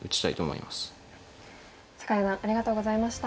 酒井四段ありがとうございました。